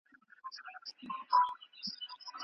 دی نه غواړي چې ویده شي.